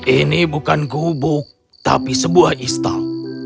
ini bukan gubuk tapi sebuah istal